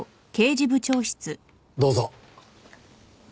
どうぞ。